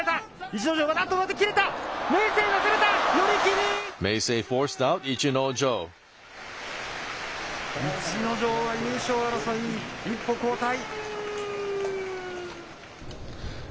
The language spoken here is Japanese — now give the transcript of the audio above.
逸ノ城が優勝争い、一歩後退。